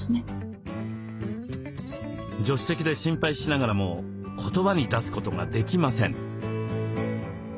助手席で心配しながらも言葉に出すことができません。